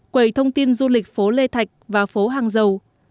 quầy thông tin du lịch phố lê thạch và phố hàng dầu